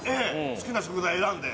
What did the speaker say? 好きな食材選んで。